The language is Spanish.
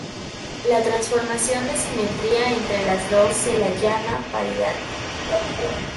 La transformación de simetría entre las dos se la llama paridad.